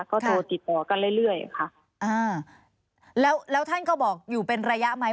ก็โทรติดต่อกันเรื่อยเรื่อยค่ะอ่าแล้วแล้วท่านก็บอกอยู่เป็นระยะไหม